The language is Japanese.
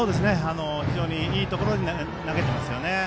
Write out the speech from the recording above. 非常にいいところに投げていますね。